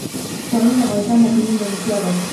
ښارونه د افغانستان د اقلیم ځانګړتیا ده.